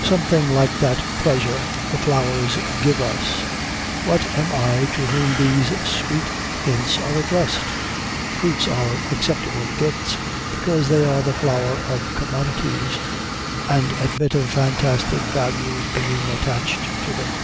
Something like that pleasure the flowers give us: what am I to whom these sweet hints are addressed? Fruits are acceptable gifts because they are the flower of commodities, and admit of fantastic values being attached to them.